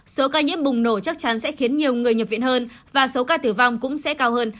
số ca nhiễm bùng nổ chắc chắn sẽ khiến nhiều người nhập viện hơn và số ca tử vong cũng sẽ cao hơn